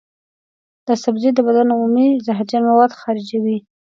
دا سبزی د بدن عمومي زهرجن مواد خارجوي.